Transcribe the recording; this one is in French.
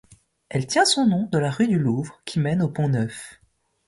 Elle tient son nom de la rue du Louvre qui mène au pont Neuf.